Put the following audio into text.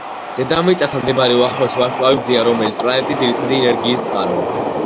დედამიწასთან მდებარე უახლოესი ვარსკვლავი მზეა, რომელიც პლანეტის ძირითადი ენერგიის წყაროა.